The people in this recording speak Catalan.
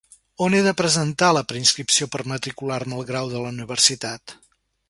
On he de presentar la preinscripció per matricular-me al grau de la universitat?